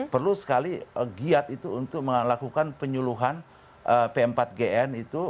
perlu sekali giat itu untuk melakukan penyuluhan p empat gn itu